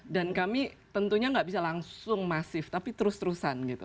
dan kami tentunya gak bisa langsung masif tapi terus terusan gitu